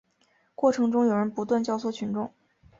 过程中有人不断教唆群众